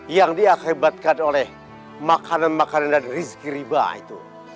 yang diakibatkan oleh makanan makanan dan rizki riba itu